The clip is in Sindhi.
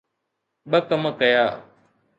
”ٻه ڪم ڪيا.